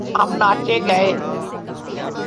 ہم ناچے گے